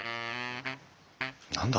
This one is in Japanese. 何だ？